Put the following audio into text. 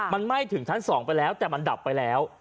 มันไหม้ถึงชั้น๒ไปแล้วแต่มันดับไปแล้ว